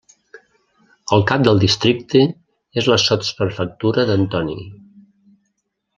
El cap del districte és la sotsprefectura d'Antony.